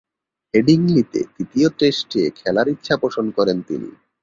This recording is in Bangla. হেডিংলিতে তৃতীয় টেস্টে খেলার ইচ্ছা পোষণ করেন তিনি।